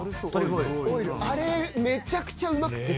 めちゃくちゃうまくて。